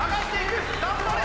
頑張れ！